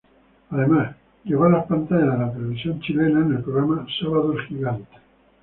Además llegó a las pantallas de la televisión chilena, en el programa "Sábados Gigantes".